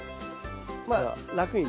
まあ楽にね。